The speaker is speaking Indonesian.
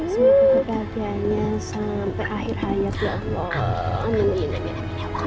semoga keadaannya sampai akhir hayat ya allah